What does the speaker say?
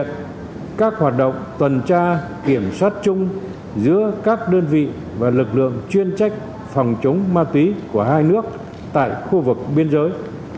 các hoạt động tuần tra kiểm soát chung giữa các đơn vị và lực lượng chuyên trách phòng chống ma túy của hai nước tại khu vực biên giới